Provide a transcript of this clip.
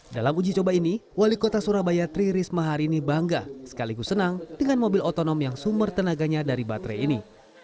dalam uji coba ini wali kota surabaya tri risma hari ini bangga sekaligus senang dengan mobil otonom yang sumber tenaganya dari baterai ini